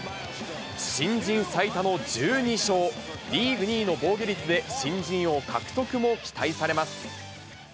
新人最多の１２勝、リーグ２位の防御率で新人王獲得も期待されます。